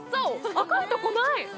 赤いとこ、ない。